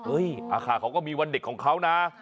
อาคารเขาก็มีวันเด็กของเขานะ